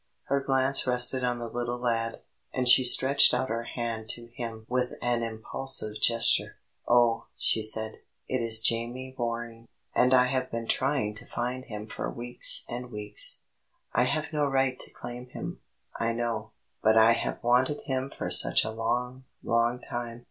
Her glance rested on the little lad, and she stretched out her hand to him with an impulsive gesture. "Oh," she said, "it is Jamie Waring, and I have been trying to find him for weeks and weeks! I have no right to claim him, I know; but I have wanted him for such a long, long time.